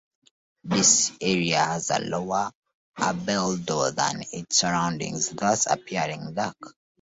This area has a lower albedo than its surroundings, thus appearing dark.